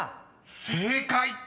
［正解！］